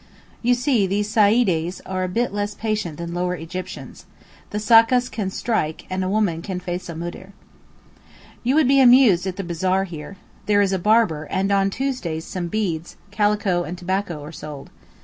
You see these Saeedes are a bit less patient than Lower Egyptians. The sakkas can strike, and a woman can face a Moudir. You would be amused at the bazaar here. There is a barber, and on Tuesdays some beads, calico, and tobacco are sold.